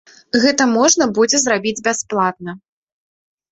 Гэта можна будзе зрабіць бясплатна.